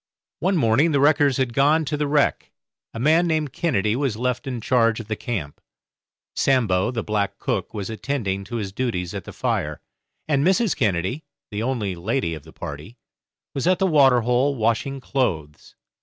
One morning the wreckers had gone to the wreck; a man named Kennedy was left in charge of the camp; Sambo, the black cook, was attending to his duties at the fire; and Mrs. Kennedy, the only lady of the party, was at the water hole washing clothes.